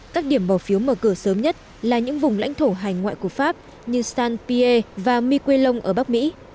các điểm bỏ phiếu mở cửa sớm nhất là những vùng lãnh thổ hành ngoại của pháp như saint pierre và miquelon ở bắc mỹ